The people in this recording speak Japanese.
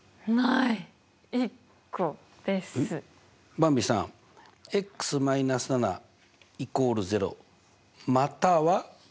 ばんびさん−７＝０または？